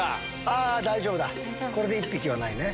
あぁ大丈夫だこれで１匹はないね。